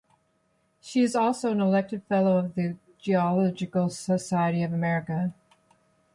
She is also an elected fellow of the Geological Society of America.